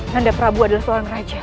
nanda prabu adalah seorang raja